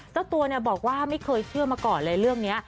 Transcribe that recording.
เจ้าตัวบอกว่าไม่เคยเชื่อมาก่อนเลยเรื่องนี้